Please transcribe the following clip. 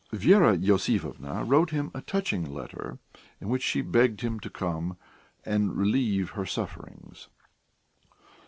Vera Iosifovna wrote him a touching letter in which she begged him to come and relieve her sufferings.